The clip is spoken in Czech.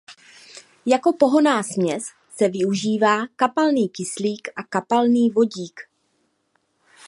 Jako pohonná směs se využívá kapalný kyslík a kapalný vodík.